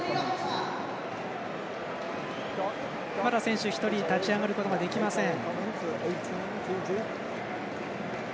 まだ選手１人立ち上がることができません。